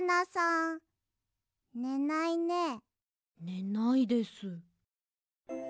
ねないです。